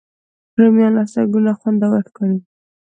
رومیان له سترګو نه خوندور ښکاري